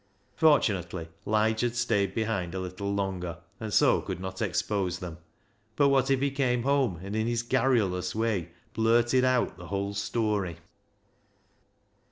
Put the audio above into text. Fortunately Lige had stayed behind a little longer, and so could not expose them ; but what if he came home and in his garrulous way blurted out the whole story